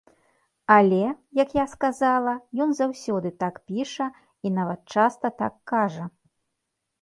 Але, як я сказала, ён заўсёды так піша і нават часта так кажа.